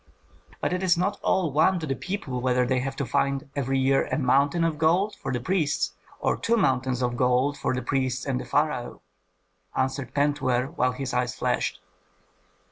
"But it is not all one to the people whether they have to find every year a mountain of gold for the priests, or two mountains of gold for the priests and the pharaoh," answered Pentuer, while his eyes flashed.